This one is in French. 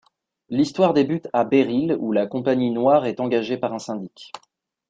L'histoire débute à Béryl où la Compagnie noire est engagée par un syndic.